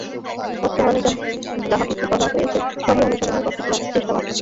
বর্তমানে যাহা কিছু করা হইতেছে, সবই অনুকরণের চেষ্টা মাত্র।